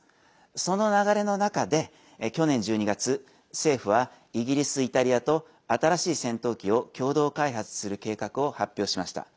その流れの中で去年１２月政府は、イギリス、イタリアと新しい戦闘機を共同開発する計画を発表しました。